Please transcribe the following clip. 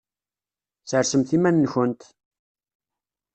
Sersemt iman-nkent!